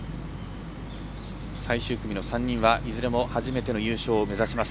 最終組の３人は、いずれも初めての優勝を目指します。